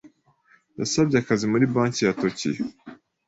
Yasabye akazi muri Banki ya Tokiyo.